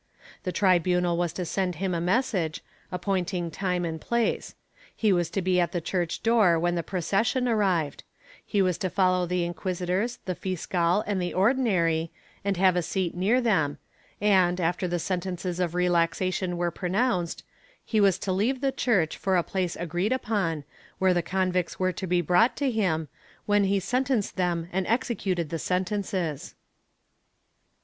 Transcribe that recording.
The tribunal was to send him a message, appointing time and place ; he was to be at the church door when the procession arrived; he was to follow the inquisitors, the fiscal and the Ordinary, and have a seat near them and, after the sentences of relaxation were pronounced, he was to leave the church for a place agreed upon, where the convicts were to be brought to him, when he sentenced them and executed the sen tences.